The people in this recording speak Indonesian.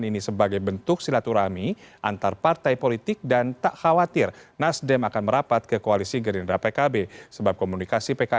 ini adalah contoh yang baik